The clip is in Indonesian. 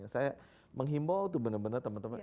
saya menghimbau itu benar benar teman teman